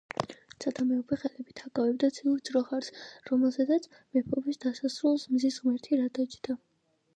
ცათა მეუფე ხელებით აკავებდა ციურ ძროხას, რომელზედაც მეფობის დასარულს მზის ღმერთი რა დაჯდა.